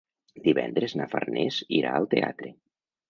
Divendres na Farners irà al teatre.